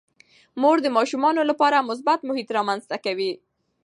مور د ماشومانو لپاره مثبت محیط رامنځته کوي.